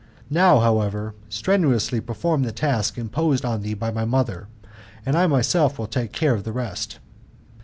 Now, however, strenuously perform the task imposed on thee by my mother, and I myself will take care of the rest.